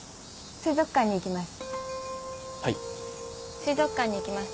水族館に行きます。